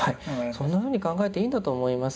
そんなふうに考えていいんだと思います。